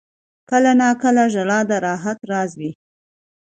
• کله ناکله ژړا د راحت راز وي.